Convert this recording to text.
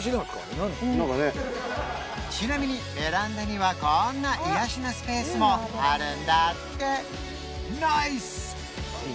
ちなみにベランダにはこんな癒やしのスペースもあるんだってナイス！